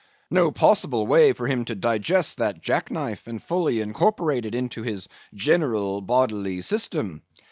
No possible way for him to digest that jack knife, and fully incorporate it into his general bodily system.